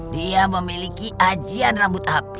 dia memiliki ajian rambut api